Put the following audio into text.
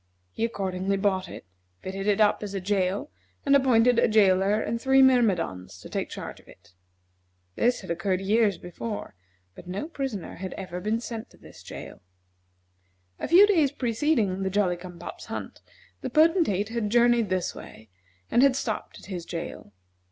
He accordingly bought it, fitted it up as a jail, and appointed a jailer and three myrmidons to take charge of it. This had occurred years before, but no prisoners had ever been sent to this jail. A few days preceding the Jolly cum pop's hunt, the Potentate had journeyed this way and had stopped at his jail.